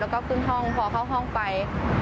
แล้วก็ขึ้นห้องพอเข้าห้องไป